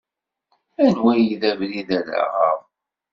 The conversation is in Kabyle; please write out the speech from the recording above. Anwa ay d abrid ara aɣeɣ?